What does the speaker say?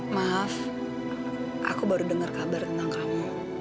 maaf aku baru dengar kabar tentang kamu